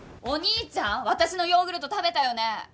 お兄ちゃん私のヨーグルト食べたよね？